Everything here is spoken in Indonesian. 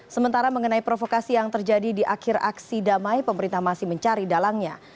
sementara mengenai provokasi yang terjadi di akhir aksi damai pemerintah masih mencari dalangnya